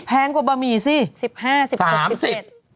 แพงกว่าบะหมี่สิ